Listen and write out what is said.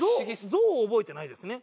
象象を覚えてないですね。